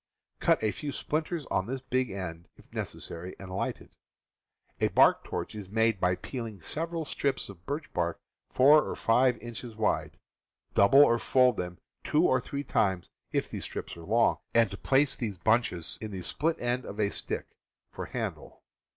Cut a few splinters on this big end, if necessary, and light it. A bark torch is made by peeling several strips of birch bark four or five inches wide; double or fold them two or three times if the strips are long, and place these bunches in the split end of a stick, for handle.